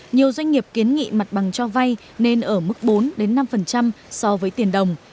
nhiều doanh nghiệp kiến nghị mặt bằng cho vay nên ở mức bốn năm so với tiền đồng